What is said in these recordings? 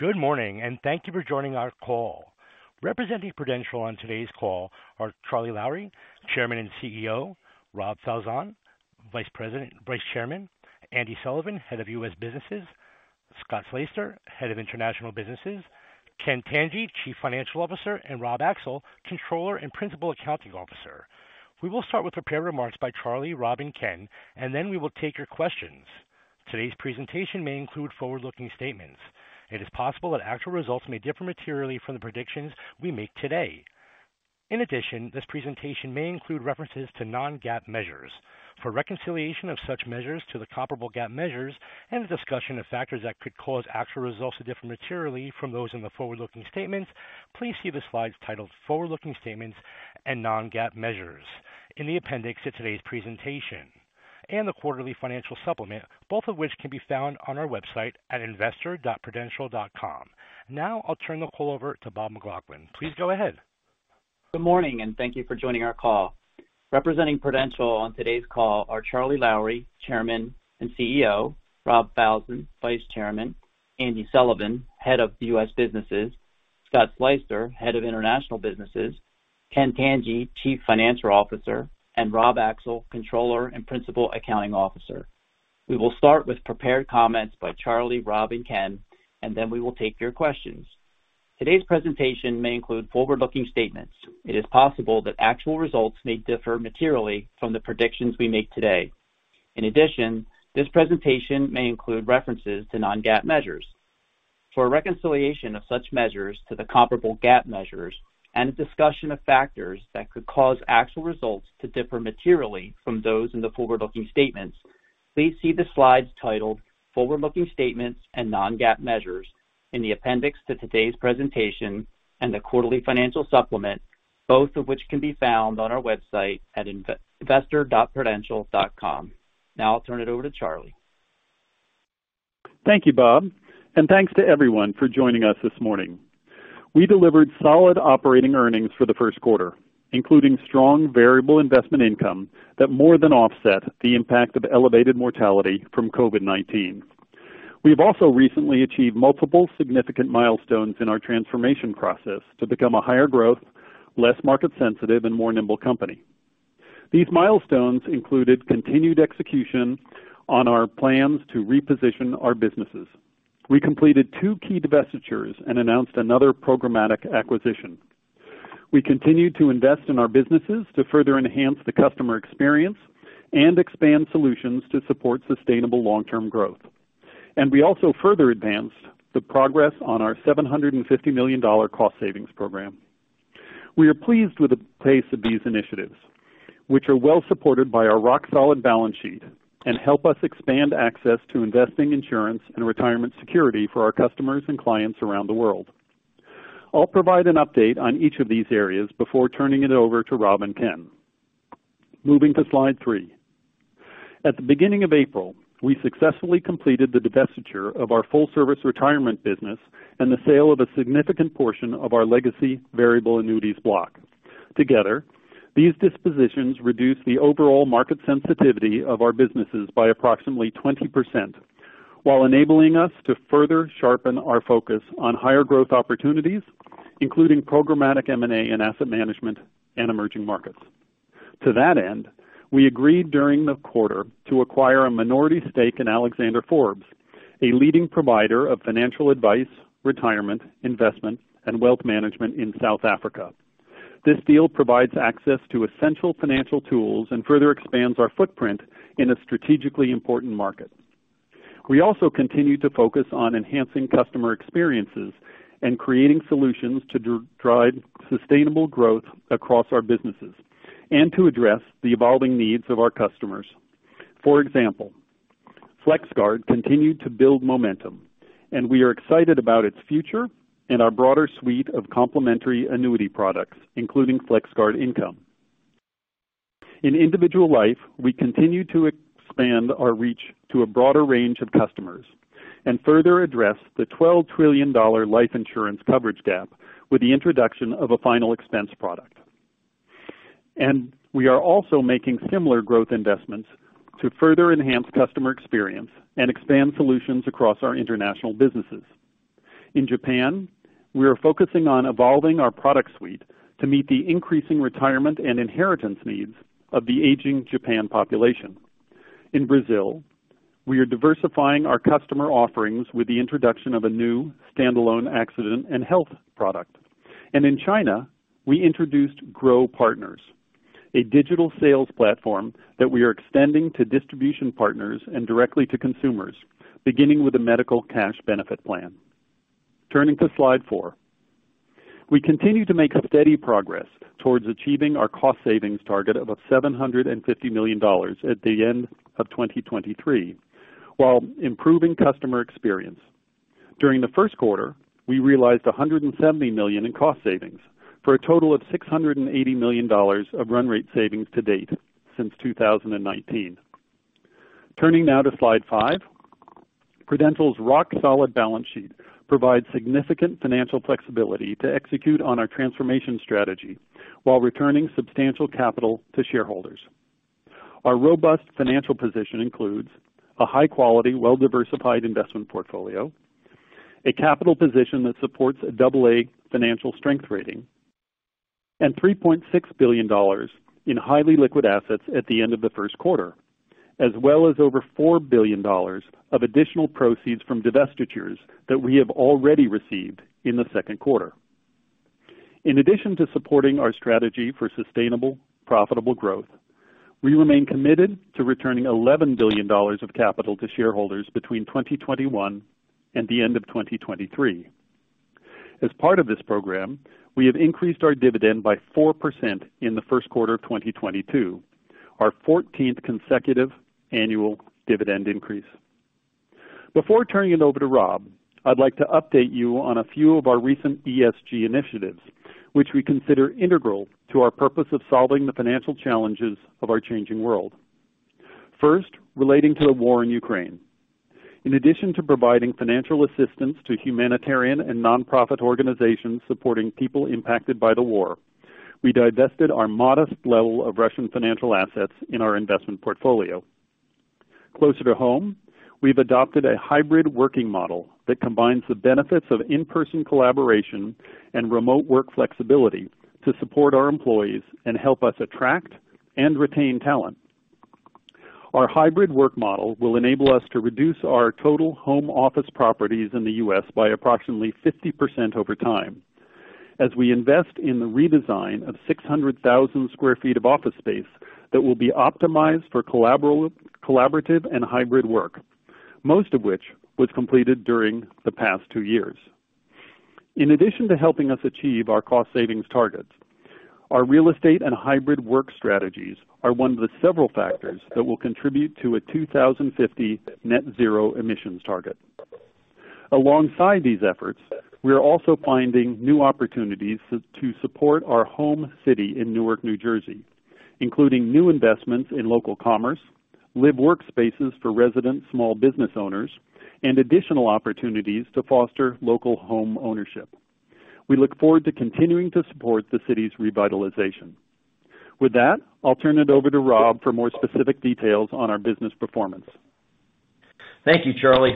Good morning, and thank you for joining our call. Representing Prudential on today's call are Charlie Lowrey, Chairman and CEO, Rob Falzon, Vice Chairman, Andy Sullivan, Head of U.S. Businesses, Scott Sleyster, Head of International Businesses, Ken Tanji, Chief Financial Officer, and Rob Axel, Controller and Principal Accounting Officer. We will start with prepared remarks by Charlie, Rob, and Ken, and then we will take your questions. Today's presentation may include forward-looking statements. It is possible that actual results may differ materially from the predictions we make today. In addition, this presentation may include references to non-GAAP measures. For reconciliation of such measures to the comparable GAAP measures and a discussion of factors that could cause actual results to differ materially from those in the forward-looking statements, please see the slides titled Forward-Looking Statements and Non-GAAP Measures in the appendix to today's presentation and the quarterly financial supplement, both of which can be found on our website at investor dot Prudential dot com. Now I'll turn the call over to Bob McLaughlin. Please go ahead. Good morning, and thank you for joining our call. Representing Prudential on today's call are Charlie Lowrey, Chairman and CEO, Rob Falzon, Vice Chairman, Andy Sullivan, Head of U.S. Businesses, Scott Sleyster, Head of International Businesses, Ken Tanji, Chief Financial Officer, and Rob Axel, Controller and Principal Accounting Officer. We will start with prepared comments by Charlie, Rob, and Ken, and then we will take your questions. Today's presentation may include forward-looking statements. It is possible that actual results may differ materially from the predictions we make today. In addition, this presentation may include references to non-GAAP measures. For a reconciliation of such measures to the comparable GAAP measures and a discussion of factors that could cause actual results to differ materially from those in the forward-looking statements, please see the slides titled Forward-Looking Statements and Non-GAAP Measures in the appendix to today's presentation and the quarterly financial supplement, both of which can be found on our website at investor dot Prudential dot com. Now I'll turn it over to Charlie. Thank you, Bob, and thanks to everyone for joining us this morning. We delivered solid operating earnings for the first quarter, including strong variable investment income that more than offset the impact of elevated mortality from COVID-19. We've also recently achieved multiple significant milestones in our transformation process to become a higher growth, less market sensitive, and more nimble company. These milestones included continued execution on our plans to reposition our businesses. We completed two key divestitures and announced another programmatic acquisition. We continued to invest in our businesses to further enhance the customer experience and expand solutions to support sustainable long-term growth. We also further advanced the progress on our $750 million cost savings program. We are pleased with the pace of these initiatives, which are well supported by our rock-solid balance sheet and help us expand access to investing, insurance, and retirement security for our customers and clients around the world. I'll provide an update on each of these areas before turning it over to Rob and Ken. Moving to slide three. At the beginning of April, we successfully completed the divestiture of our full-service retirement business and the sale of a significant portion of our legacy variable annuities block. Together, these dispositions reduce the overall market sensitivity of our businesses by approximately 20% while enabling us to further sharpen our focus on higher growth opportunities, including programmatic M&A and asset management in emerging markets. To that end, we agreed during the quarter to acquire a minority stake in Alexander Forbes, a leading provider of financial advice, retirement, investment, and wealth management in South Africa. This deal provides access to essential financial tools and further expands our footprint in a strategically important market. We also continue to focus on enhancing customer experiences and creating solutions to drive sustainable growth across our businesses and to address the evolving needs of our customers. For example, FlexGuard continued to build momentum, and we are excited about its future and our broader suite of complementary annuity products, including FlexGuard Income. In individual life, we continue to expand our reach to a broader range of customers and further address the $12 trillion life insurance coverage gap with the introduction of a Final Expense product. We are also making similar growth investments to further enhance customer experience and expand solutions across our international businesses. In Japan, we are focusing on evolving our product suite to meet the increasing retirement and inheritance needs of the aging Japan population. In Brazil, we are diversifying our customer offerings with the introduction of a new standalone accident and health product. In China, we introduced Grow Partners, a digital sales platform that we are extending to distribution partners and directly to consumers, beginning with a medical cash benefit plan. Turning to slide four. We continue to make steady progress towards achieving our cost savings target of $750 million at the end of 2023 while improving customer experience. During the first quarter, we realized $170 million in cost savings for a total of $680 million of run rate savings to date since 2019. Turning now to slide five. Prudential's rock-solid balance sheet provides significant financial flexibility to execute on our transformation strategy while returning substantial capital to shareholders. Our robust financial position includes a high quality, well-diversified investment portfolio, a capital position that supports a AA financial strength rating, and $3.6 billion in highly liquid assets at the end of the first quarter, as well as over $4 billion of additional proceeds from divestitures that we have already received in the second quarter. In addition to supporting our strategy for sustainable, profitable growth, we remain committed to returning $11 billion of capital to shareholders between 2021 and the end of 2023. As part of this program, we have increased our dividend by 4% in the first quarter of 2022, our fourteenth consecutive annual dividend increase. Before turning it over to Rob, I'd like to update you on a few of our recent ESG initiatives, which we consider integral to our purpose of solving the financial challenges of our changing world. First, relating to the war in Ukraine. In addition to providing financial assistance to humanitarian and nonprofit organizations supporting people impacted by the war, we divested our modest level of Russian financial assets in our investment portfolio. Closer to home, we've adopted a hybrid working model that combines the benefits of in-person collaboration and remote work flexibility to support our employees and help us attract and retain talent. Our hybrid work model will enable us to reduce our total home office properties in the U.S. by approximately 50% over time as we invest in the redesign of 600,000 sq ft of office space that will be optimized for collaborative and hybrid work, most of which was completed during the past two years. In addition to helping us achieve our cost savings targets, our real estate and hybrid work strategies are one of the several factors that will contribute to a 2050 net zero emissions target. Alongside these efforts, we are also finding new opportunities to support our home city in Newark, New Jersey, including new investments in local commerce, live workspaces for resident small business owners, and additional opportunities to foster local home ownership. We look forward to continuing to support the city's revitalization. With that, I'll turn it over to Rob for more specific details on our business performance. Thank you, Charlie.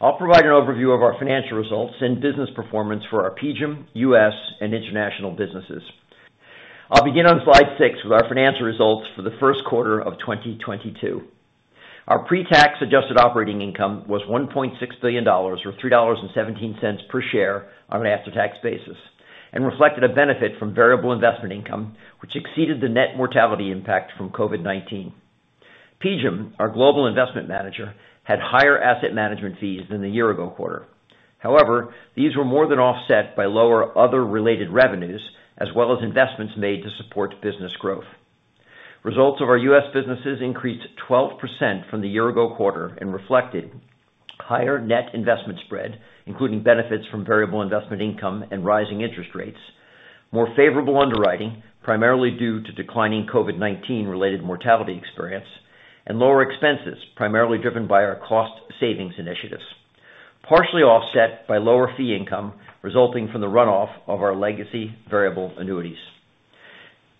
I'll provide an overview of our financial results and business performance for our PGIM, US, and international businesses. I'll begin on slide six with our financial results for the first quarter of 2022. Our pre-tax adjusted operating income was $1.6 billion, or $3.17 per share on an after-tax basis, and reflected a benefit from variable investment income, which exceeded the net mortality impact from COVID-19. PGIM, our global investment manager, had higher asset management fees than the year-ago quarter. However, these were more than offset by lower other related revenues, as well as investments made to support business growth. Results of our U.S. businesses increased 12% from the year-ago quarter and reflected higher net investment spread, including benefits from variable investment income and rising interest rates, more favorable underwriting, primarily due to declining COVID-19 related mortality experience and lower expenses, primarily driven by our cost savings initiatives, partially offset by lower fee income resulting from the runoff of our legacy variable annuities.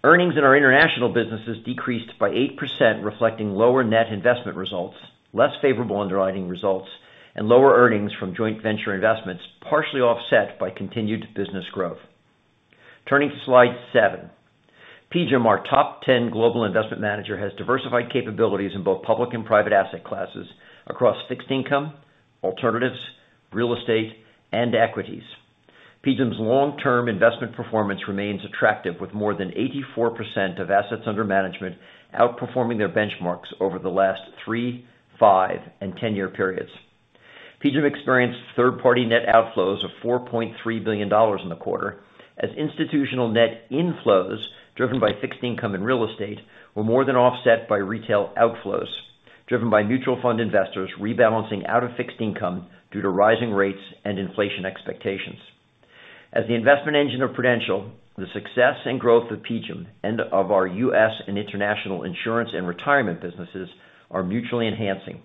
Earnings in our international businesses decreased by 8%, reflecting lower net investment results, less favorable underwriting results, and lower earnings from joint venture investments, partially offset by continued business growth. Turning to slide seven. PGIM, our top 10 global investment manager, has diversified capabilities in both public and private asset classes across fixed income, alternatives, real estate, and equities. PGIM's long-term investment performance remains attractive, with more than 84% of assets under management outperforming their benchmarks over the last three, five, and 10-year periods. PGIM experienced third-party net outflows of $4.3 billion in the quarter as institutional net inflows driven by fixed income and real estate were more than offset by retail outflows driven by mutual fund investors rebalancing out of fixed income due to rising rates and inflation expectations. As the investment engine of Prudential, the success and growth of PGIM and of our U.S. and international insurance and retirement businesses are mutually enhancing.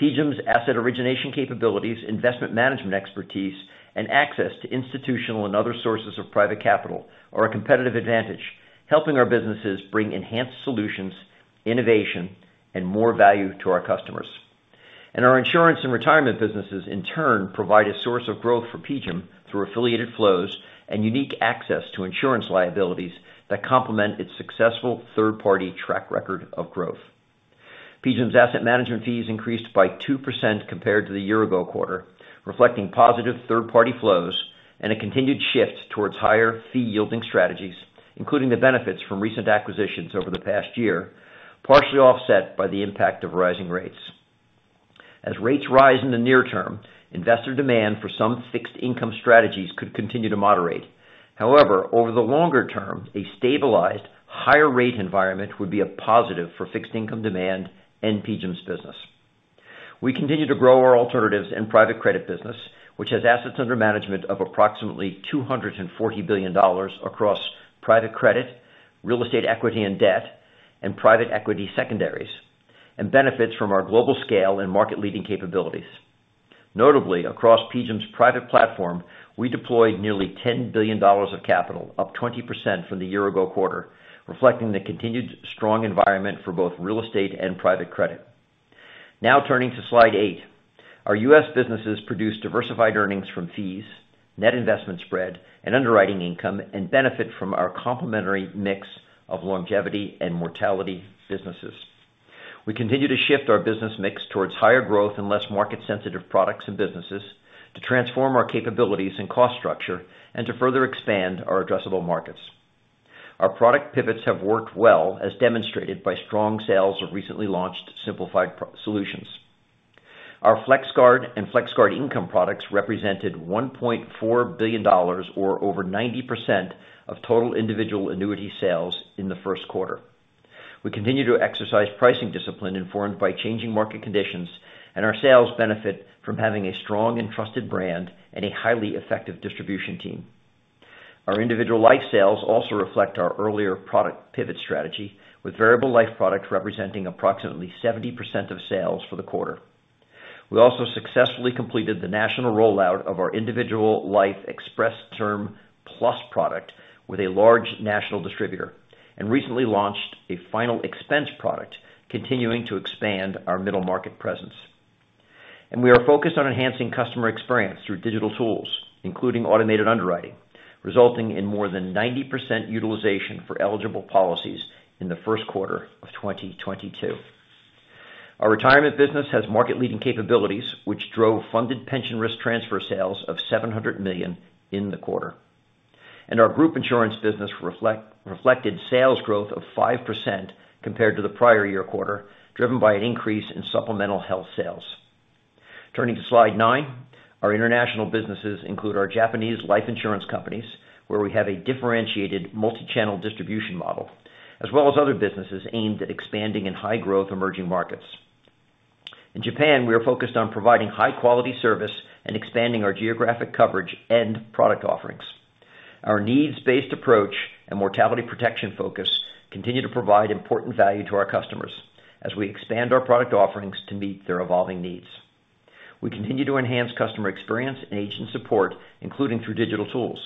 PGIM's asset origination capabilities, investment management expertise, and access to institutional and other sources of private capital are a competitive advantage, helping our businesses bring enhanced solutions, innovation, and more value to our customers. Our insurance and retirement businesses, in turn, provide a source of growth for PGIM through affiliated flows and unique access to insurance liabilities that complement its successful third-party track record of growth. PGIM's asset management fees increased by 2% compared to the year-ago quarter, reflecting positive third-party flows and a continued shift towards higher fee yielding strategies, including the benefits from recent acquisitions over the past year, partially offset by the impact of rising rates. As rates rise in the near term, investor demand for some fixed income strategies could continue to moderate. However, over the longer term, a stabilized higher rate environment would be a positive for fixed income demand and PGIM's business. We continue to grow our alternatives and private credit business, which has assets under management of approximately $240 billion across private credit, real estate equity and debt, and private equity secondaries, and benefits from our global scale and market-leading capabilities. Notably, across PGIM's private platform, we deployed nearly $10 billion of capital, up 20% from the year-ago quarter, reflecting the continued strong environment for both real estate and private credit. Now turning to slide eight. Our U.S. businesses produce diversified earnings from fees, net investment spread, and underwriting income, and benefit from our complementary mix of longevity and mortality businesses. We continue to shift our business mix towards higher growth and less market sensitive products and businesses to transform our capabilities and cost structure and to further expand our addressable markets. Our product pivots have worked well, as demonstrated by strong sales of recently launched simplified issue solutions. Our FlexGuard and FlexGuard Income products represented $1.4 billion or over 90% of total individual annuity sales in the first quarter. We continue to exercise pricing discipline informed by changing market conditions, and our sales benefit from having a strong and trusted brand and a highly effective distribution team. Our individual life sales also reflect our earlier product pivot strategy, with variable life product representing approximately 70% of sales for the quarter. We also successfully completed the national rollout of our individual Life Express Term Plus product with a large national distributor and recently launched a Final Expense product, continuing to expand our middle market presence. We are focused on enhancing customer experience through digital tools, including automated underwriting, resulting in more than 90% utilization for eligible policies in the first quarter of 2022. Our retirement business has market-leading capabilities, which drove funded pension risk transfer sales of $700 million in the quarter. Our group insurance business reflected sales growth of 5% compared to the prior year quarter, driven by an increase in supplemental health sales. Turning to slide nine. Our international businesses include our Japanese life insurance companies, where we have a differentiated multi-channel distribution model, as well as other businesses aimed at expanding in high-growth emerging markets. In Japan, we are focused on providing high-quality service and expanding our geographic coverage and product offerings. Our needs-based approach and mortality protection focus continue to provide important value to our customers as we expand our product offerings to meet their evolving needs. We continue to enhance customer experience and agent support, including through digital tools.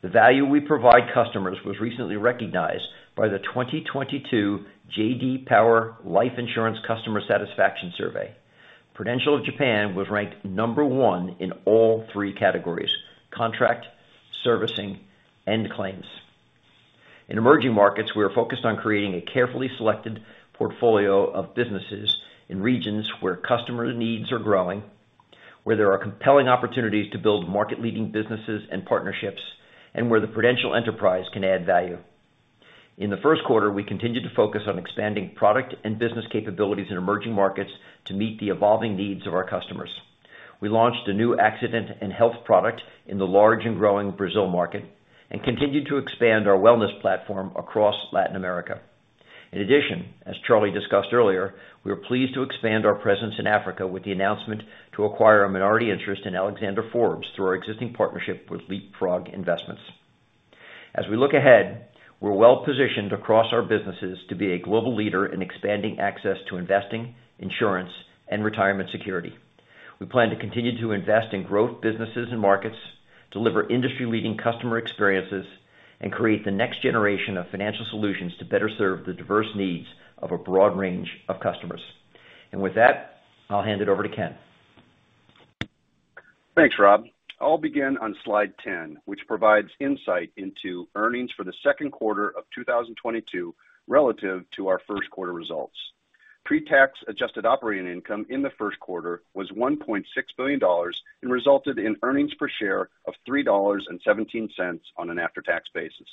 The value we provide customers was recently recognized by the 2022 J.D. Power Life Insurance Customer Satisfaction Survey. Prudential of Japan was ranked number one in all three categories, contract, servicing, and claims. In emerging markets, we are focused on creating a carefully selected portfolio of businesses in regions where customer needs are growing, where there are compelling opportunities to build market leading businesses and partnerships, and where the Prudential enterprise can add value. In the first quarter, we continued to focus on expanding product and business capabilities in emerging markets to meet the evolving needs of our customers. We launched a new accident and health product in the large and growing Brazil market and continued to expand our wellness platform across Latin America. In addition, as Charlie discussed earlier, we are pleased to expand our presence in Africa with the announcement to acquire a minority interest in Alexander Forbes through our existing partnership with LeapFrog Investments. As we look ahead, we're well-positioned across our businesses to be a global leader in expanding access to investing, insurance, and retirement security. We plan to continue to invest in growth businesses and markets, deliver industry leading customer experiences, and create the next generation of financial solutions to better serve the diverse needs of a broad range of customers. With that, I'll hand it over to Ken. Thanks, Rob. I'll begin on slide 10, which provides insight into earnings for the second quarter of 2022 relative to our first quarter results. Pre-tax adjusted operating income in the first quarter was $1.6 billion and resulted in earnings per share of $3.17 on an after-tax basis.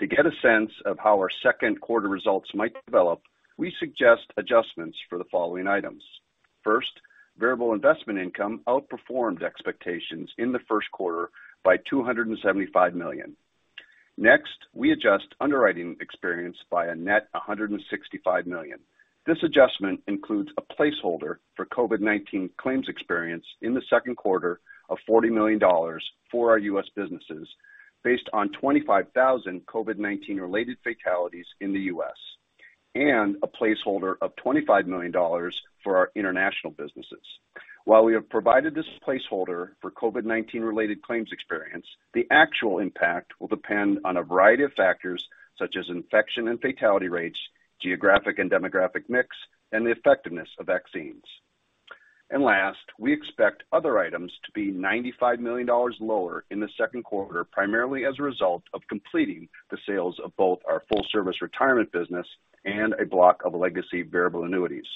To get a sense of how our second quarter results might develop, we suggest adjustments for the following items. First, variable investment income outperformed expectations in the first quarter by $275 million. Next, we adjust underwriting experience by a net $165 million. This adjustment includes a placeholder for COVID-19 claims experience in the second quarter of $40 million for our U.S. businesses based on 25,000 COVID-19 related fatalities in the U.S., and a placeholder of $25 million for our international businesses. While we have provided this placeholder for COVID-19 related claims experience, the actual impact will depend on a variety of factors such as infection and fatality rates, geographic and demographic mix, and the effectiveness of vaccines. Last, we expect other items to be $95 million lower in the second quarter, primarily as a result of completing the sales of both our full service retirement business and a block of legacy variable annuities.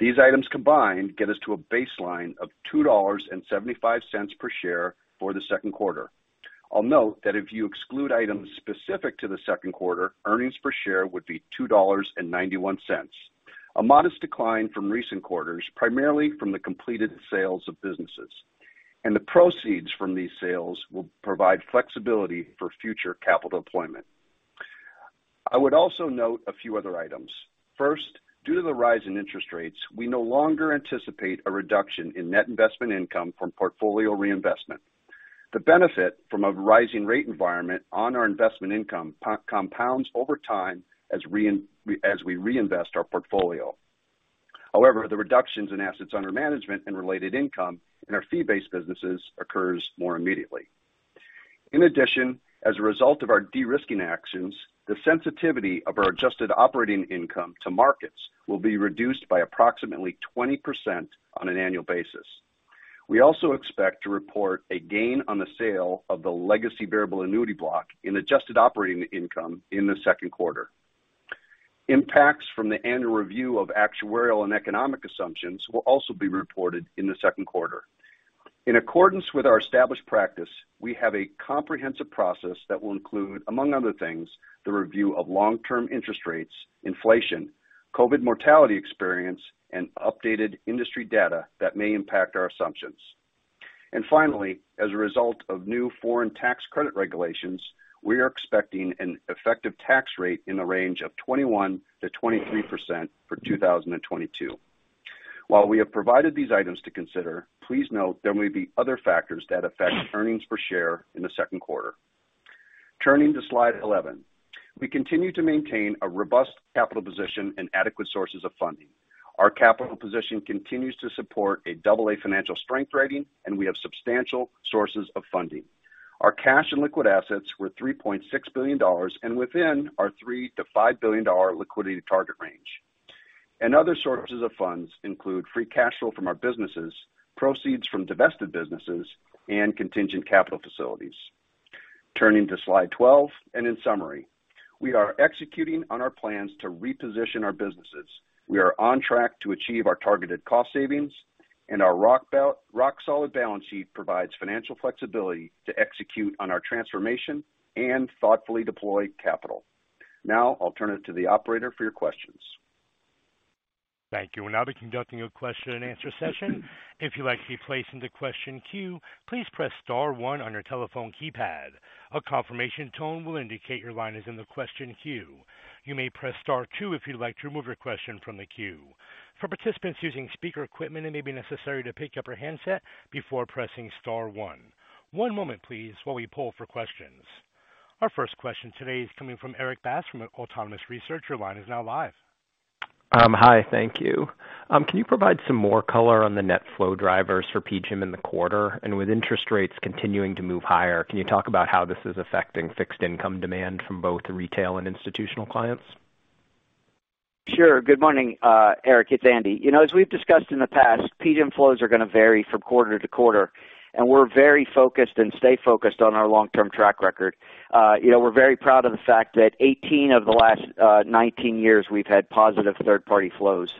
These items combined get us to a baseline of $2.75 per share for the second quarter. I'll note that if you exclude items specific to the second quarter, earnings per share would be $2.91, a modest decline from recent quarters, primarily from the completed sales of businesses. The proceeds from these sales will provide flexibility for future capital deployment. I would also note a few other items. First, due to the rise in interest rates, we no longer anticipate a reduction in net investment income from portfolio reinvestment. The benefit from a rising rate environment on our investment income compounds over time as we reinvest our portfolio. However, the reductions in assets under management and related income in our fee-based businesses occurs more immediately. In addition, as a result of our de-risking actions, the sensitivity of our adjusted operating income to markets will be reduced by approximately 20% on an annual basis. We also expect to report a gain on the sale of the legacy variable annuity block in adjusted operating income in the second quarter. Impacts from the annual review of actuarial and economic assumptions will also be reported in the second quarter. In accordance with our established practice, we have a comprehensive process that will include, among other things, the review of long-term interest rates, inflation, COVID-19 mortality experience, and updated industry data that may impact our assumptions. Finally, as a result of new foreign tax credit regulations, we are expecting an effective tax rate in the range of 21%-23% for 2022. While we have provided these items to consider, please note there may be other factors that affect earnings per share in the second quarter. Turning to slide 11. We continue to maintain a robust capital position and adequate sources of funding. Our capital position continues to support a AA financial strength rating, and we have substantial sources of funding. Our cash and liquid assets were $3.6 billion and within our $3 billion-$5 billion liquidity target range. Other sources of funds include free cash flow from our businesses, proceeds from divested businesses, and contingent capital facilities. Turning to slide 12 and in summary. We are executing on our plans to reposition our businesses. We are on track to achieve our targeted cost savings, and our rock-solid balance sheet provides financial flexibility to execute on our transformation and thoughtfully deploy capital. Now I'll turn it to the operator for your questions. Thank you. We'll now be conducting a question and answer session. If you'd like to be placed in the question queue, please press star one on your telephone keypad. A confirmation tone will indicate your line is in the question queue. You may press star two if you'd like to remove your question from the queue. For participants using speaker equipment, it may be necessary to pick up your handset before pressing star one. One moment please while we poll for questions. Our first question today is coming from Erik Bass from Autonomous Research. Your line is now live. Hi. Thank you. Can you provide some more color on the net flow drivers for PGIM in the quarter? With interest rates continuing to move higher, can you talk about how this is affecting fixed income demand from both retail and institutional clients? Sure. Good morning, Erik. It's Andrew. You know, as we've discussed in the past, PGIM flows are gonna vary from quarter to quarter, and we're very focused and stay focused on our long-term track record. You know, we're very proud of the fact that 18 of the last 19 years we've had positive third-party flows.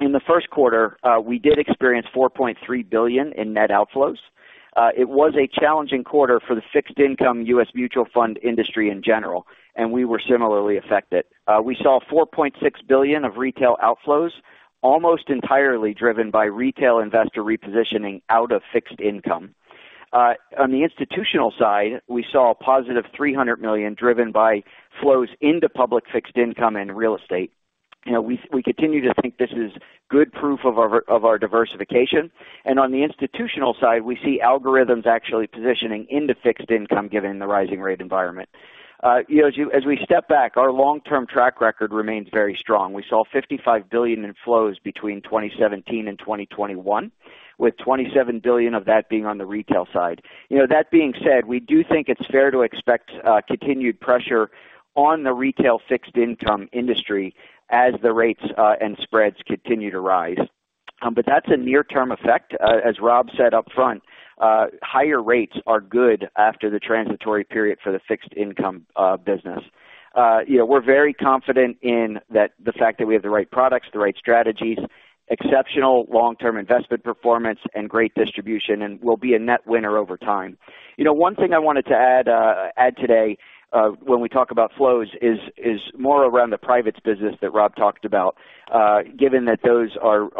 In the first quarter, we did experience $4.3 billion in net outflows. It was a challenging quarter for the fixed income U.S. mutual fund industry in general, and we were similarly affected. We saw $4.6 billion of retail outflows, almost entirely driven by retail investor repositioning out of fixed income. On the institutional side, we saw a positive $300 million driven by flows into public fixed income and real estate. You know, we continue to think this is good proof of our diversification. On the institutional side, we see algorithms actually positioning into fixed income given the rising rate environment. You know, as we step back, our long-term track record remains very strong. We saw $55 billion in flows between 2017 and 2021, with $27 billion of that being on the retail side. You know, that being said, we do think it's fair to expect continued pressure on the retail fixed income industry as the rates and spreads continue to rise. That's a near-term effect. As Rob said up front, higher rates are good after the transitory period for the fixed income business. You know, we're very confident in the fact that we have the right products, the right strategies, exceptional long-term investment performance and great distribution, and we'll be a net winner over time. You know, one thing I wanted to add today, when we talk about flows is more around the privates business that Rob talked about. Given that those are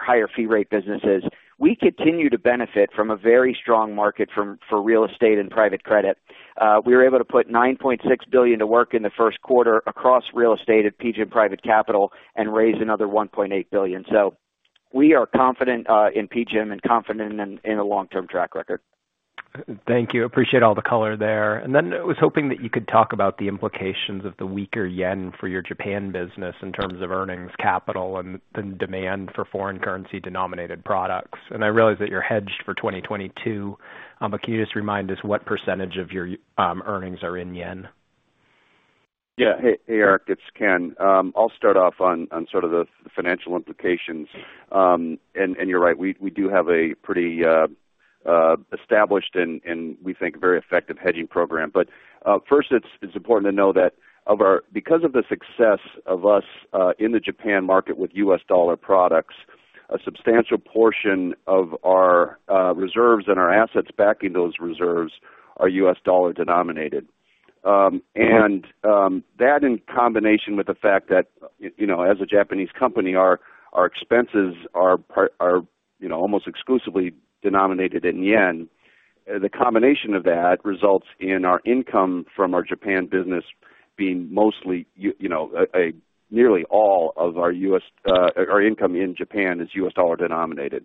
higher fee rate businesses, we continue to benefit from a very strong market for real estate and private credit. We were able to put $9.6 billion to work in the first quarter across real estate at PGIM Private Capital and raise another $1.8 billion. So we are confident in PGIM and confident in a long-term track record. Thank you. Appreciate all the color there. Then I was hoping that you could talk about the implications of the weaker yen for your Japan business in terms of earnings, capital and the demand for foreign currency denominated products. I realize that you're hedged for 2022. Can you just remind us what percentage of your earnings are in yen? Hey, Eric, it's Ken. I'll start off on sort of the financial implications. You're right, we do have a pretty established and we think very effective hedging program. First it's important to know that because of the success of us in the Japan market with US dollar products, a substantial portion of our reserves and our assets backing those reserves are US dollar denominated. That in combination with the fact that, you know, as a Japanese company, our expenses are, you know, almost exclusively denominated in yen. The combination of that results in our income from our Japan business being mostly, you know, nearly all of our income in Japan is US dollar denominated.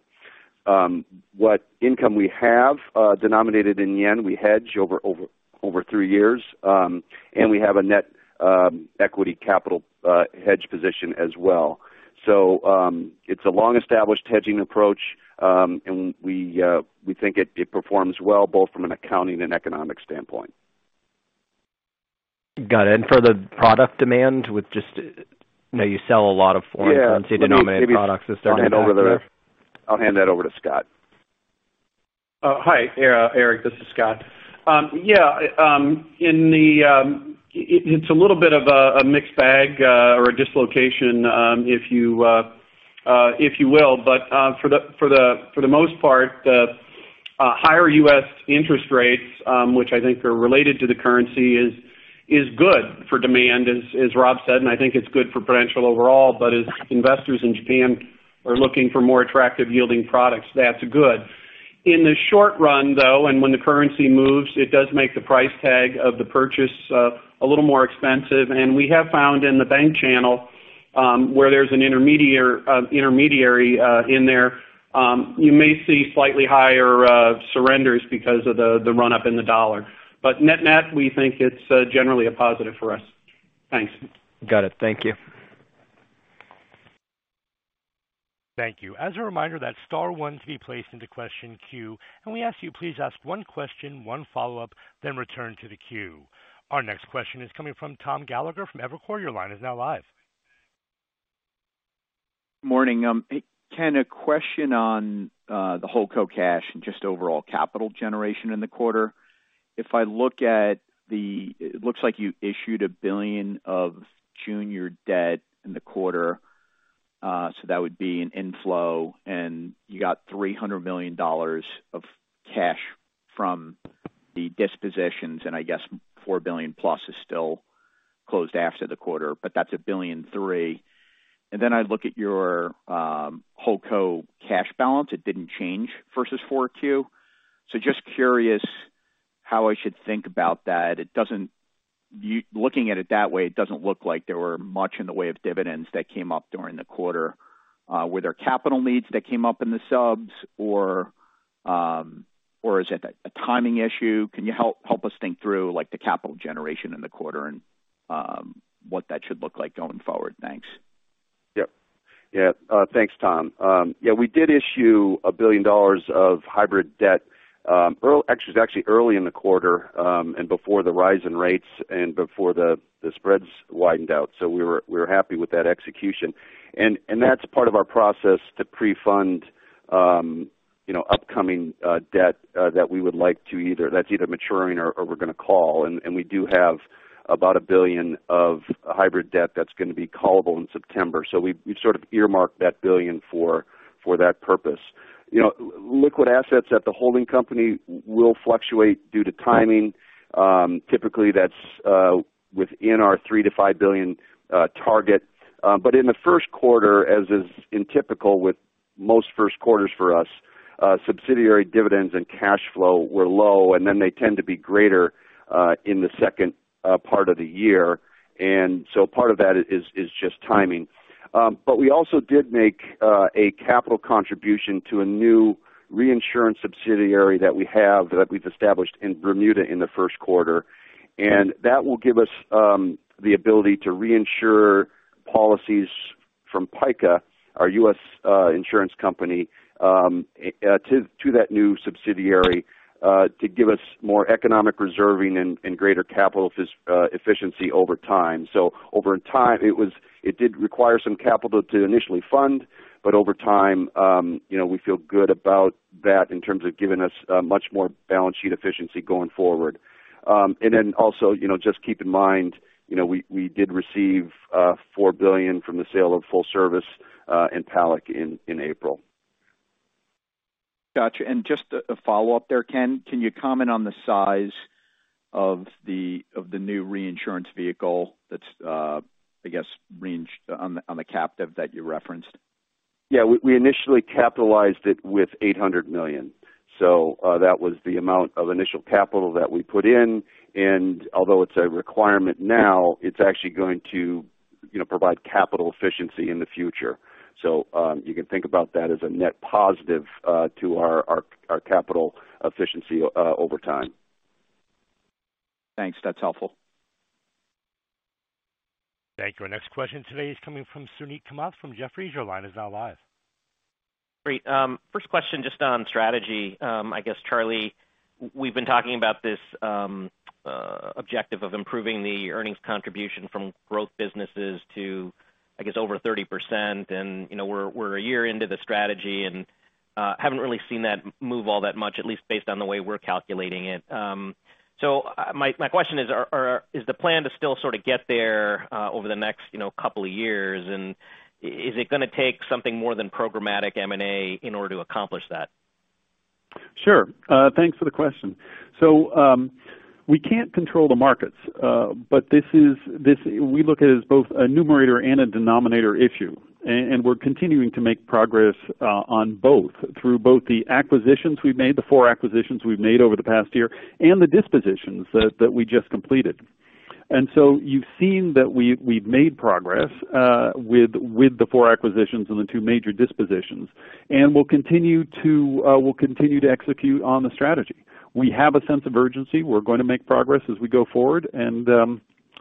What income we have denominated in yen, we hedge over three years. We have a net equity capital hedge position as well. It's a long-established hedging approach, and we think it performs well both from an accounting and economic standpoint. Got it. For the product demand with just, you know, you sell a lot of foreign currency. Yeah. Maybe. yen-denominated products. Is there an impact there? I'll hand that over to Scott. Eric, this is Scott. Yeah, it's a little bit of a mixed bag or a dislocation, if you will. For the most part, the higher U.S. interest rates, which I think are related to the currency, is good for demand, as Rob said, and I think it's good for Prudential overall. As investors in Japan are looking for more attractive yielding products, that's good. In the short run, though, and when the currency moves, it does make the price tag of the purchase a little more expensive. We have found in the bank channel, where there's an intermediary in there, you may see slightly higher surrenders because of the run-up in the dollar. Net-net, we think it's generally a positive for us. Thanks. Got it. Thank you. Thank you. As a reminder, that's star one to be placed into question queue. We ask you, please ask one question, one follow-up, then return to the queue. Our next question is coming from Thom Gallagher from Evercore. Your line is now live. Morning. Ken, a question on the holdco cash and just overall capital generation in the quarter. If I look at the, it looks like you issued $1 billion of junior debt in the quarter, so that would be an inflow, and you got $300 million of cash from the dispositions, and I guess $4 billion plus is still closed after the quarter, but that's $1.3 billion. Then I look at your holdco cash balance. It didn't change versus 4Q. Just curious how I should think about that. Looking at it that way, it doesn't look like there were much in the way of dividends that came up during the quarter. Were there capital needs that came up in the subs or is it a timing issue? Can you help us think through, like, the capital generation in the quarter and what that should look like going forward? Thanks. Thanks, Thom. Yeah, we did issue $1 billion of hybrid debt. Actually, it's early in the quarter, and before the rise in rates and before the spreads widened out. We were happy with that execution. That's part of our process to pre-fund, you know, upcoming debt that's either maturing or we're gonna call. We do have about $1 billion of hybrid debt that's gonna be callable in September. We sort of earmarked that $1 billion for that purpose. Liquid assets at the holding company will fluctuate due to timing. Typically, that's within our $3 billion-$5 billion target. In the first quarter, as is typical with most first quarters for us, subsidiary dividends and cash flow were low, and then they tend to be greater in the second part of the year. Part of that is just timing. We also did make a capital contribution to a new reinsurance subsidiary that we have, that we've established in Bermuda in the first quarter. That will give us the ability to reinsure policies from PICA, our U.S. insurance company, to that new subsidiary, to give us more economic reserving and greater capital efficiency over time. Over time, it did require some capital to initially fund, but over time, you know, we feel good about that in terms of giving us much more balance sheet efficiency going forward. You know, just keep in mind, you know, we did receive $4 billion from the sale of full service in PALAC in April. Got you. Just a follow-up there, Ken. Can you comment on the size of the new reinsurance vehicle that's, I guess, reinsured on the captive that you referenced? Yeah. We initially capitalized it with $800 million. That was the amount of initial capital that we put in. Although it's a requirement now, it's actually going to, you know, provide capital efficiency in the future. You can think about that as a net positive to our capital efficiency over time. Thanks. That's helpful. Thank you. Our next question today is coming from Suneet Kamath from Jefferies. Your line is now live. Great. First question, just on strategy. I guess, Charlie, we've been talking about this objective of improving the earnings contribution from growth businesses to, I guess, over 30%. You know, we're a year into the strategy and haven't really seen that move all that much, at least based on the way we're calculating it. So my question is the plan to still sort of get there over the next, you know, couple of years? Is it gonna take something more than programmatic M&A in order to accomplish that? Sure. Thanks for the question. We can't control the markets, but we look at it as both a numerator and a denominator issue, and we're continuing to make progress on both through both the acquisitions we've made, the four acquisitions we've made over the past year, and the dispositions that we just completed. You've seen that we've made progress with the four acquisitions and the two major dispositions, and we'll continue to execute on the strategy. We have a sense of urgency. We're going to make progress as we go forward, and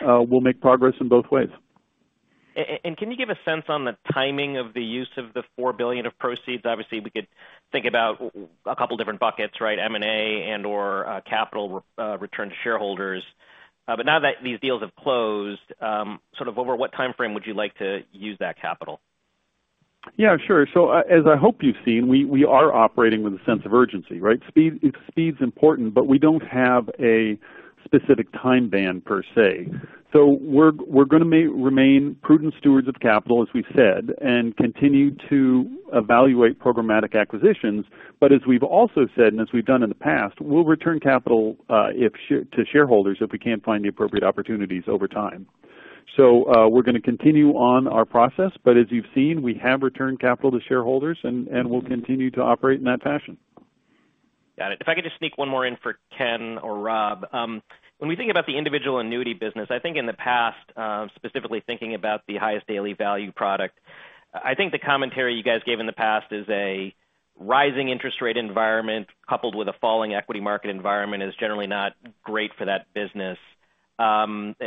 we'll make progress in both ways. Can you give a sense on the timing of the use of the $4 billion of proceeds? Obviously, we could think about a couple different buckets, right? M&A and/or capital return to shareholders. Now that these deals have closed, sort of over what time frame would you like to use that capital? Yeah, sure. As I hope you've seen, we are operating with a sense of urgency, right? Speed, speed's important, but we don't have a specific time band per se. We're gonna remain prudent stewards of capital, as we said, and continue to evaluate programmatic acquisitions. As we've also said, and as we've done in the past, we'll return capital to shareholders if we can't find the appropriate opportunities over time. We're gonna continue on our process, but as you've seen, we have returned capital to shareholders and we'll continue to operate in that fashion. Got it. If I could just sneak one more in for Ken or Rob. When we think about the individual annuity business, I think in the past, specifically thinking about the Highest Daily Lifetime Income product, I think the commentary you guys gave in the past is a rising interest rate environment coupled with a falling equity market environment is generally not great for that business,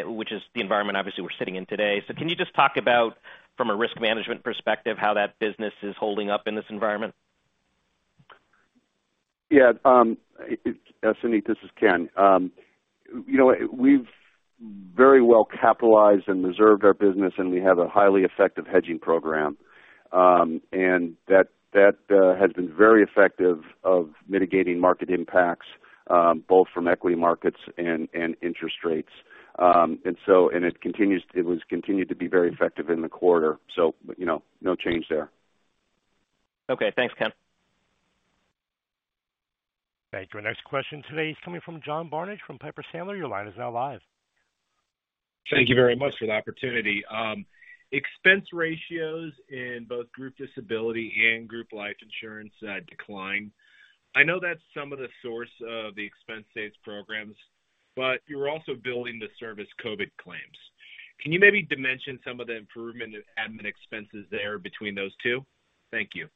which is the environment obviously we're sitting in today. Can you just talk about from a risk management perspective, how that business is holding up in this environment? Yeah. It's Suneet, this is Ken. You know what? We're very well capitalized and reserved our business, and we have a highly effective hedging program. And that has been very effective in mitigating market impacts, both from equity markets and interest rates. It continues to be very effective in the quarter. You know, no change there. Okay. Thanks, Ken. Thank you. Our next question today is coming from John Barnidge from Piper Sandler. Your line is now live. Thank you very much for the opportunity. Expense ratios in both group disability and group life insurance declined. I know that's some of the source of the expense savings programs, but you're also building reserves for COVID-19 claims. Can you maybe dimension some of the improvement in admin expenses there between those two? Thank you.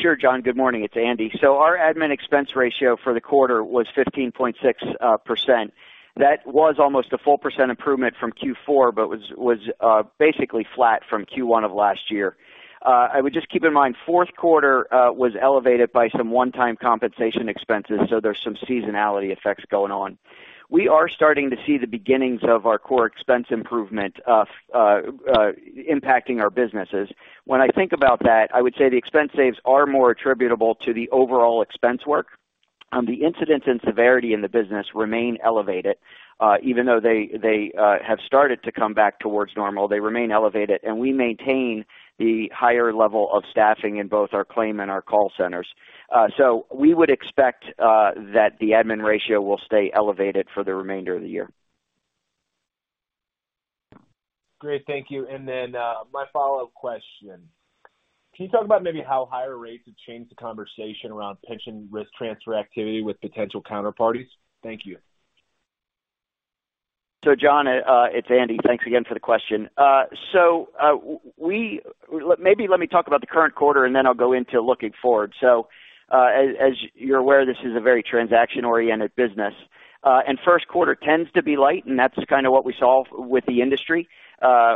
Sure, John. Good morning. It's Andy. Our admin expense ratio for the quarter was 15.6%. That was almost a full percent improvement from Q4, but was basically flat from Q1 of last year. I would just keep in mind, fourth quarter was elevated by some one-time compensation expenses, so there's some seasonality effects going on. We are starting to see the beginnings of our core expense improvement impacting our businesses. When I think about that, I would say the expense saves are more attributable to the overall expense work. The incidence and severity in the business remain elevated, even though they have started to come back towards normal. They remain elevated, and we maintain the higher level of staffing in both our claim and our call centers. We would expect that the admin ratio will stay elevated for the remainder of the year. Great. Thank you. My follow-up question: Can you talk about maybe how higher rates have changed the conversation around pension risk transfer activity with potential counterparties? Thank you. John, it's Andy. Thanks again for the question. Maybe let me talk about the current quarter, and then I'll go into looking forward. As you're aware, this is a very transaction-oriented business. First quarter tends to be light, and that's kind of what we saw with the industry.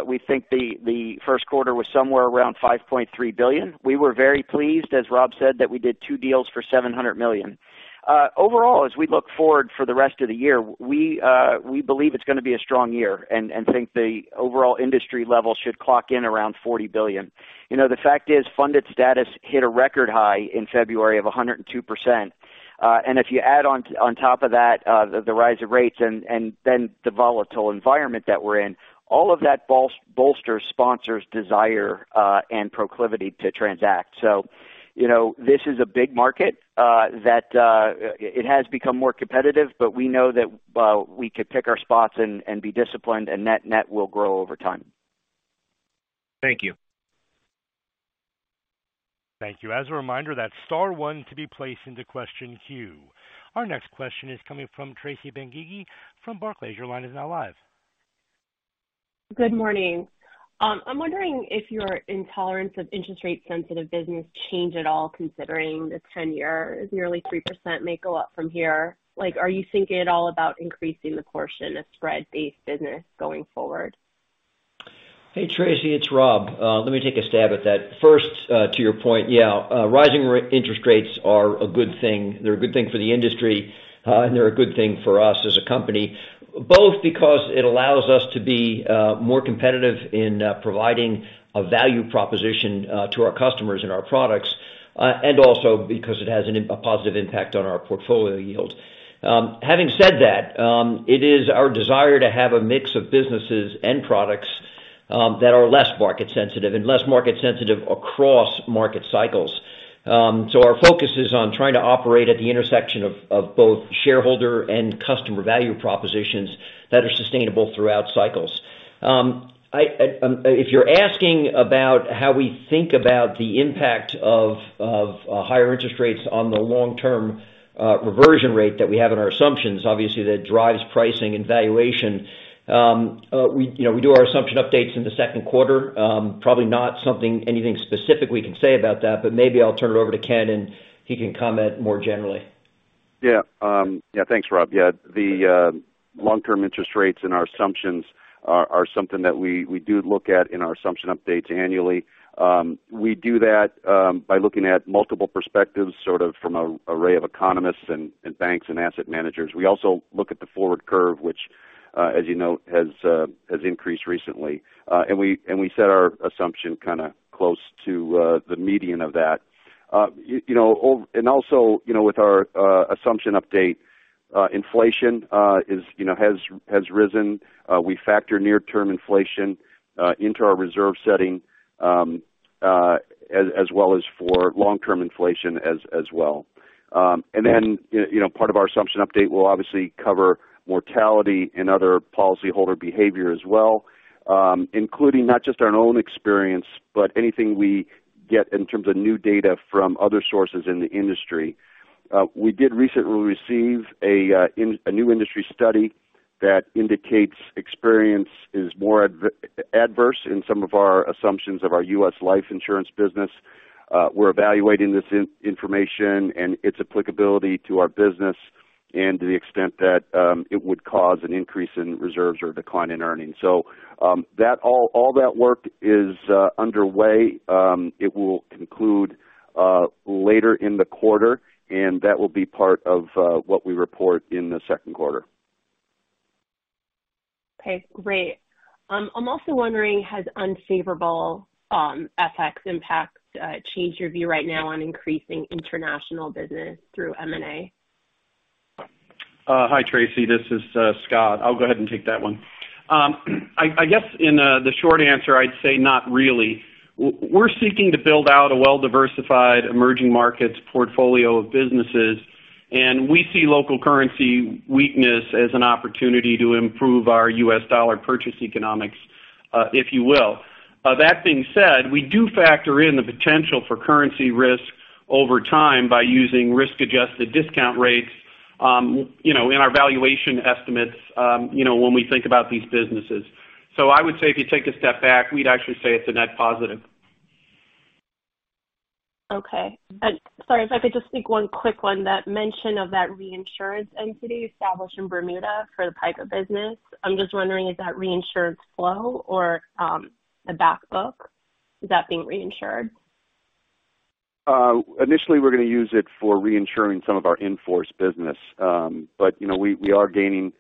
We think the first quarter was somewhere around $5.3 billion. We were very pleased, as Rob said, that we did two deals for $700 million. Overall, as we look forward for the rest of the year, we believe it's gonna be a strong year and think the overall industry level should clock in around $40 billion. You know, the fact is funded status hit a record high in February of 102%. If you add on top of that, the rise of rates and then the volatile environment that we're in, all of that bolsters sponsors' desire and proclivity to transact. You know, this is a big market that has become more competitive, but we know that we could pick our spots and be disciplined, and net will grow over time. Thank you. Thank you. As a reminder, that's star one to be placed into question queue. Our next question is coming from Tracy Benguigui from Barclays. Your line is now live. Good morning. I'm wondering if your tolerance of interest rate sensitive business change at all, considering the 10-year is nearly 3% may go up from here. Like, are you thinking at all about increasing the portion of spread-based business going forward? Hey, Tracy, it's Rob. Let me take a stab at that. First, to your point, yeah, rising interest rates are a good thing. They're a good thing for the industry, and they're a good thing for us as a company, both because it allows us to be more competitive in providing a value proposition to our customers and our products, and also because it has a positive impact on our portfolio yield. Having said that, it is our desire to have a mix of businesses and products that are less market sensitive across market cycles. Our focus is on trying to operate at the intersection of both shareholder and customer value propositions that are sustainable throughout cycles. If you're asking about how we think about the impact of higher interest rates on the long-term reversion rate that we have in our assumptions, obviously that drives pricing and valuation. You know, we do our assumption updates in the second quarter. Probably not anything specific we can say about that, but maybe I'll turn it over to Ken, and he can comment more generally. Yeah, thanks, Rob. The long-term interest rates in our assumptions are something that we do look at in our assumption updates annually. We do that by looking at multiple perspectives, sort of from an array of economists and banks and asset managers. We also look at the forward curve, which, as you know, has increased recently. We set our assumption kind of close to the median of that. You know, and also, you know, with our assumption update, inflation has risen. We factor near-term inflation into our reserve setting, as well as for long-term inflation as well. You know, part of our assumption update will obviously cover mortality and other policyholder behavior as well, including not just our own experience, but anything we get in terms of new data from other sources in the industry. We did recently receive a new industry study that indicates experience is more adverse in some of our assumptions of our U.S. life insurance business. We're evaluating this information and its applicability to our business and to the extent that it would cause an increase in reserves or a decline in earnings. All that work is underway. It will conclude later in the quarter, and that will be part of what we report in the second quarter. Okay, great. I'm also wondering, has unfavorable FX impacts changed your view right now on increasing international business through M&A? Hi, Tracy. This is Scott. I'll go ahead and take that one. I guess in the short answer, I'd say not really. We're seeking to build out a well-diversified emerging markets portfolio of businesses, and we see local currency weakness as an opportunity to improve our US dollar purchase economics, if you will. That being said, we do factor in the potential for currency risk over time by using risk-adjusted discount rates, you know, in our valuation estimates, you know, when we think about these businesses. I would say if you take a step back, we'd actually say it's a net positive. Okay. Sorry, if I could just take one quick one. That mention of that reinsurance entity established in Bermuda for the line of business, I'm just wondering, is that reinsurance flow or the back book? Is that being reinsured? Initially, we're gonna use it for reinsuring some of our in-force business. You know, we are gaining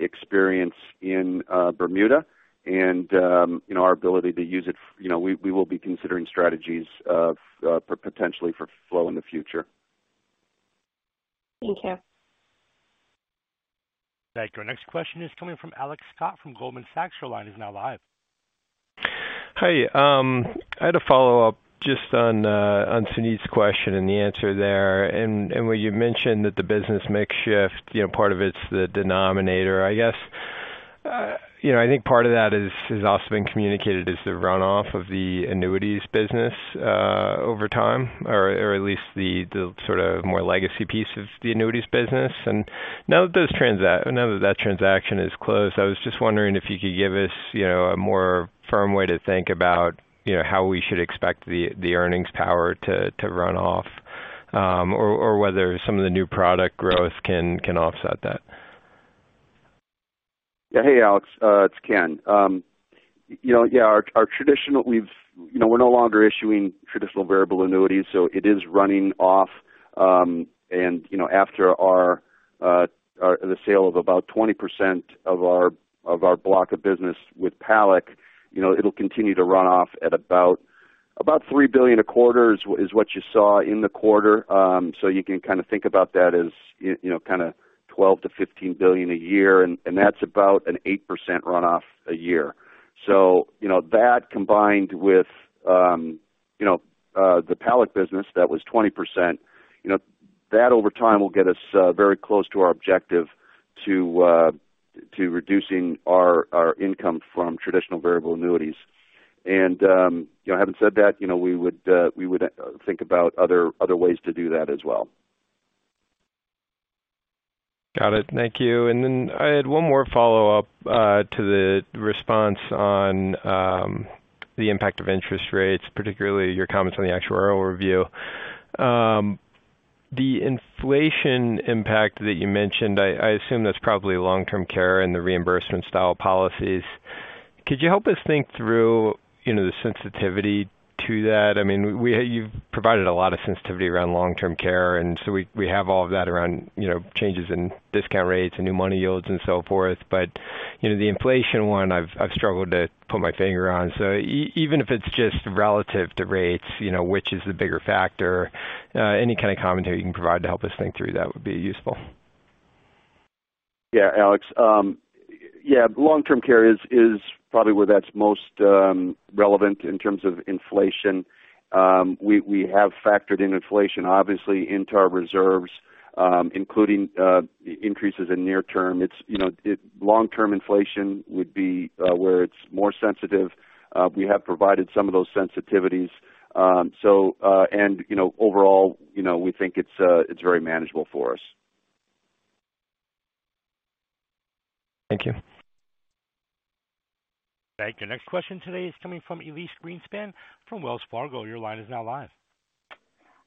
experience in Bermuda and in our ability to use it. You know, we will be considering strategies of potentially for flow in the future. Thank you. Thank you. Our next question is coming from Alex Scott from Goldman Sachs. Your line is now live. Hi. I had a follow-up just on Suneet's question and the answer there. When you mentioned that the business mix shift, you know, part of it's the denominator, I guess. I think part of that is also being communicated as the runoff of the annuities business over time or at least the sort of more legacy piece of the annuities business. Now that that transaction is closed, I was just wondering if you could give us, you know, a more firm way to think about how we should expect the earnings power to run off or whether some of the new product growth can offset that. Yeah. Hey, Alex, it's Ken. You know, our traditional. You know, we're no longer issuing traditional variable annuities, so it is running off. You know, after our sale of about 20% of our block of business with PALAC, you know, it'll continue to run off at about $3 billion a quarter, which is what you saw in the quarter. You can kind of think about that as you know, kind of $12 billion-$15 billion a year. That's about an 8% runoff a year. You know, that combined with you know, the PALAC business, that was 20%. You know, that over time will get us very close to our objective to reducing our income from traditional variable annuities. You know, having said that, you know, we would think about other ways to do that as well. Got it. Thank you. I had one more follow-up to the response on the impact of interest rates, particularly your comments on the actuarial review. The inflation impact that you mentioned, I assume that's probably long-term care and the reimbursement style policies. Could you help us think through, you know, the sensitivity to that? I mean, you've provided a lot of sensitivity around long-term care, and so we have all of that around, you know, changes in discount rates and new money yields and so forth. You know, the inflation one I've struggled to put my finger on. Even if it's just relative to rates, you know, which is the bigger factor, any kind of commentary you can provide to help us think through that would be useful. Yeah, Alex. Yeah, long-term care is probably where that's most relevant in terms of inflation. We have factored in inflation, obviously into our reserves, including increases in near term. You know, long-term inflation would be where it's more sensitive. We have provided some of those sensitivities. You know, overall, you know, we think it's very manageable for us. Thank you. Thank you. Next question today is coming from Elyse Greenspan from Wells Fargo. Your line is now live.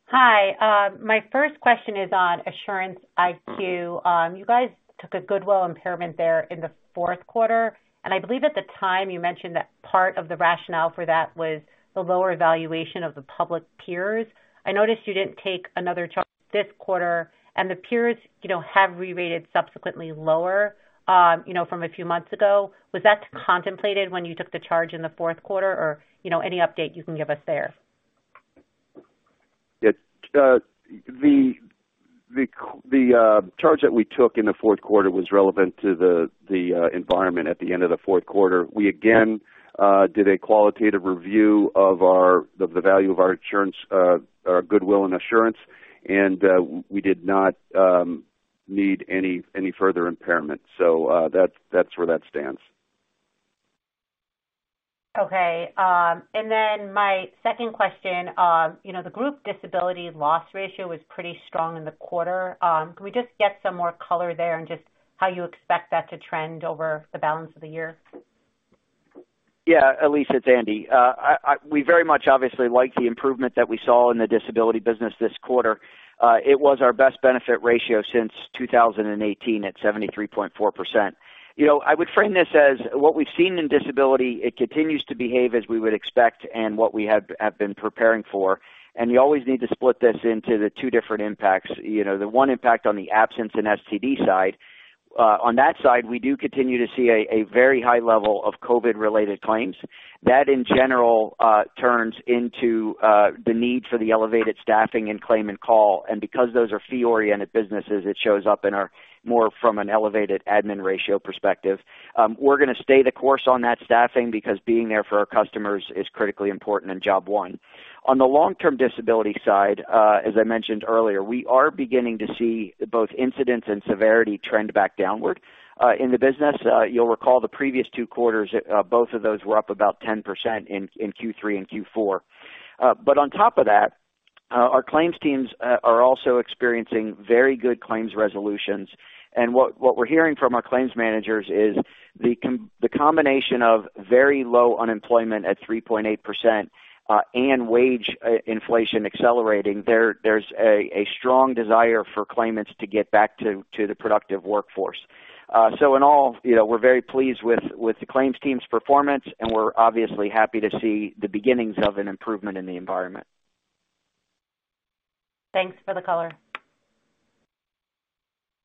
Hi. My first question is on Assurance IQ. You guys took a goodwill impairment there in the fourth quarter, and I believe at the time you mentioned that part of the rationale for that was the lower evaluation of the public peers. I noticed you didn't take another charge this quarter and the peers, you know, have re-rated subsequently lower from a few months ago. Was that contemplated when you took the charge in the fourth quarter or, you know, any update you can give us there? It's the charge that we took in the fourth quarter was relevant to the environment at the end of the fourth quarter. We again did a qualitative review of the value of our Assurance, our goodwill and Assurance, and we did not need any further impairment. That's where that stands. Okay. My second question, you know, the group disability loss ratio was pretty strong in the quarter. Can we just get some more color there and just how you expect that to trend over the balance of the year? Yeah. Elyse, it's Andy. We very much obviously like the improvement that we saw in the disability business this quarter. It was our best benefit ratio since 2018 at 73.4%. You know, I would frame this as what we've seen in disability. It continues to behave as we would expect and what we have been preparing for. You always need to split this into the two different impacts. You know, the one impact on the absence in STD side. On that side, we do continue to see a very high level of COVID-related claims. That in general turns into the need for the elevated staffing and claimant call. Because those are fee-oriented businesses, it shows up in our more from an elevated admin ratio perspective. We're gonna stay the course on that staffing because being there for our customers is critically important in job one. On the long-term disability side, as I mentioned earlier, we are beginning to see both incidents and severity trend back downward in the business. You'll recall the previous two quarters, both of those were up about 10% in Q3 and Q4. But on top of that, our claims teams are also experiencing very good claims resolutions. What we're hearing from our claims managers is the combination of very low unemployment at 3.8%, and wage inflation accelerating there's a strong desire for claimants to get back to the productive workforce. In all, you know, we're very pleased with the claims team's performance, and we're obviously happy to see the beginnings of an improvement in the environment. Thanks for the color.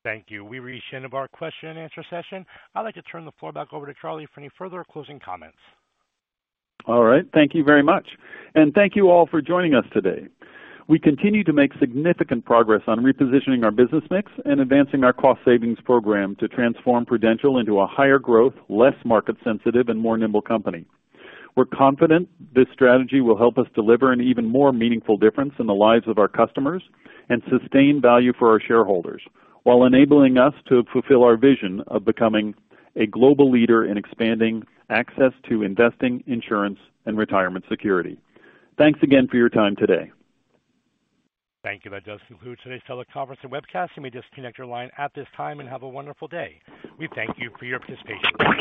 Thank you. We've reached the end of our question and answer session. I'd like to turn the floor back over to Charlie for any further closing comments. All right. Thank you very much, and thank you all for joining us today. We continue to make significant progress on repositioning our business mix and advancing our cost savings program to transform Prudential into a higher growth, less market sensitive, and more nimble company. We're confident this strategy will help us deliver an even more meaningful difference in the lives of our customers and sustain value for our shareholders while enabling us to fulfill our vision of becoming a global leader in expanding access to investing, insurance, and retirement security. Thanks again for your time today. Thank you. That does conclude today's teleconference and webcast. You may disconnect your line at this time and have a wonderful day. We thank you for your participation.